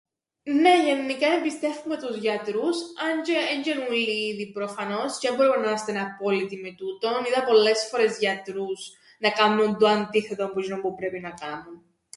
Νναι γεννικά εμπιστεύκουμαι τους γιατρούς, αν τζ̆αι έντζ̆' εν' ο΄υλλοι ίδιοι προφανώς τζ̆αι εν μπορούμε να είμαστεν απόλυτοι με τούτον, είδα πολλές φορές γιατρούς να κάμνουν το αντίθετον που τζ̆είνον που πρέπει να κάμουν.